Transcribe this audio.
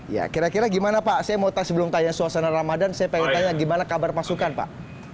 ya kira kira gimana pak saya mau sebelum tanya suasana ramadan saya pengen tanya gimana kabar pasukan pak